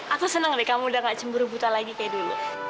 aku senang deh kamu udah gak cemburu buta lagi kayak dulu